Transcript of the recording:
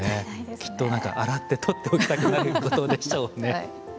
きっと何か洗って取っておきたくなることでしょうね。